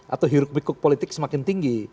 atau hirup hirup politik semakin tinggi